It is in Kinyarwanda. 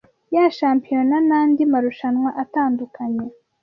ya shampiyona n’andi marushanwa atandukanye